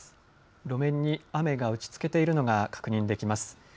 路面に雨が打ちつけているのが確認できます。